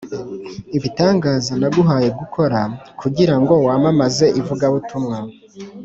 ibitangaza naguhaye gukora kugira ngo wamamaze ivugabutumwa